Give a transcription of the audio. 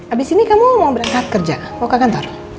abis ini kamu mau berangkat kerja mau ke kantor